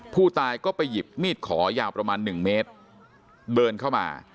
ผู้ตายก็ไปหยิบมีดขอยาวประมาณ๑เมตรเดินเข้ามา